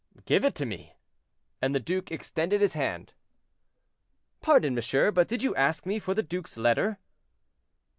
"Give it to me," and the duke extended his hand. "Pardon, monsieur, but did you ask me for the duke's letter?"